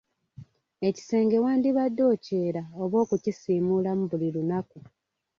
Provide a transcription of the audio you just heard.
Ekisenge wandibadde okyera oba okukisimuula buli lunaku.